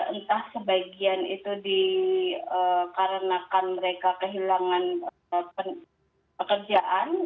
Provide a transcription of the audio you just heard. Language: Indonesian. entah sebagian itu dikarenakan mereka kehilangan pekerjaan